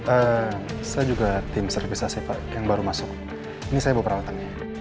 ehm saya juga tim servis ac pak yang baru masuk ini saya bawa peralatannya